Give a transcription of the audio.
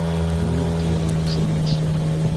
Нимә теләһәк, шуны эшләнек.